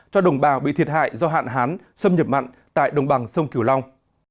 cho đồng bào bị thiệt hại do hạn hán xâm nhập mặn tại đồng bằng sông kiều long